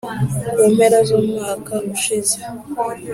ku mpera z’umwaka ushize